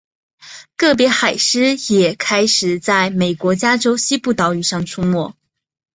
个别海狮也开始在美国加州西部岛屿上出没。